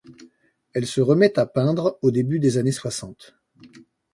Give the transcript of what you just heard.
Elle se remet à peindre au début des années soixante.